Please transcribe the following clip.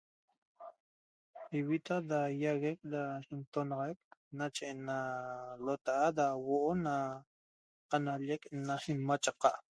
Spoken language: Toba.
ivitaa da yaguec da intonaxac nache ena lotaa da huo'o na qanallec na imachaqaa.